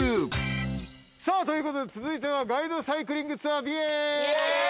さあということで続いてはガイドサイクリングツアー美瑛。